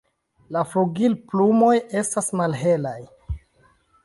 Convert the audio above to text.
La flugilplumoj estas malhelaj.